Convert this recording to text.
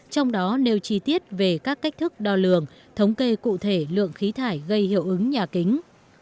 trong đó nêu chi tiết về các cách thức đo lường thống kê cụ thể lượng khí thải gây hiệu ứng nhà kính